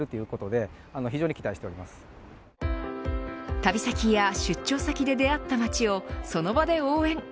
旅先や出張先で出会った町をその場で応援。